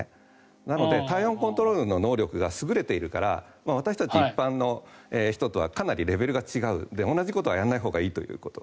なので、体温コントロールの能力が優れているから私たち一般の人とはかなりレベルが違う同じことはやらないほうがいいと。